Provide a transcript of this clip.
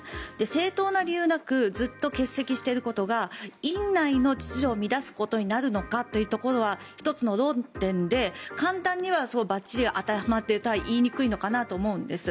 正当な理由なくずっと欠席していることが院内の秩序を乱すことになるのかというところは１つの論点で簡単にはばっちり当てはまっているとは言いにくいかなと思うんです。